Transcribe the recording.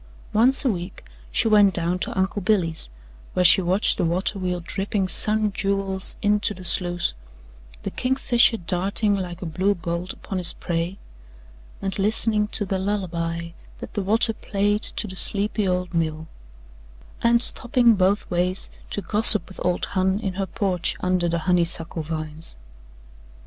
Once a week she went down to Uncle Billy's, where she watched the water wheel dripping sun jewels into the sluice, the kingfisher darting like a blue bolt upon his prey, and listening to the lullaby that the water played to the sleepy old mill and stopping, both ways, to gossip with old Hon in her porch under the honeysuckle vines.